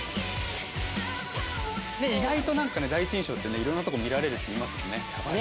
意外となんかね第一印象ってねいろんなとこ見られるっていいますもんね。